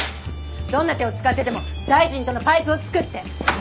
どんな手を使ってでも大臣とのパイプをつくって。